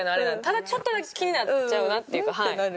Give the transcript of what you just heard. ただちょっとだけ気になっちゃうなっていうか。